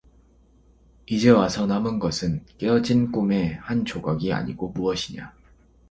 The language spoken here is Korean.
이제와 서 남은 것은 깨어진 꿈의 한 조각이 아니고 무엇이냐.